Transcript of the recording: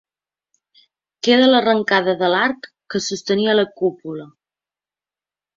Queda l'arrencada de l'arc que sostenia la cúpula.